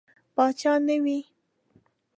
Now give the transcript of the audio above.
پاچا نه وي.